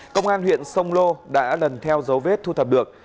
công an huyện sông lô đã lần theo dấu vết thu thập được